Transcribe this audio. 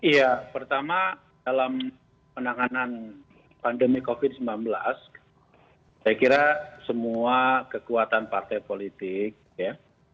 ya pertama dalam penanganan pandemi covid sembilan belas saya kira semua kekuatan partai politik ya